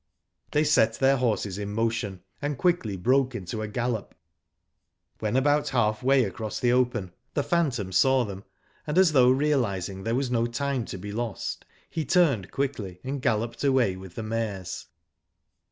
They set their horses in motion, and quickly broke into a gallop. When about half way across the open the phantom saw them, and, as though realising there was no time to be lost, he turned quickly and galloped away with the mares.